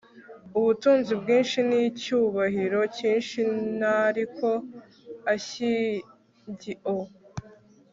ubutunzi bwinshi n icyubahiro cyinshi n ariko ashyingio